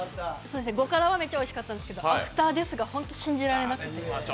５辛はめっちゃおいしかったですけどアフターＤＥＡＴＨが本当に信じられなくて。